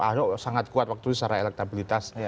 ahok sangat kuat waktu itu secara elektabilitas